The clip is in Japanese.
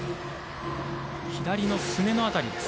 左のすねの辺りです。